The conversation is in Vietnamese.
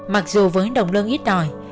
mặc dù với đồng lương ít đòi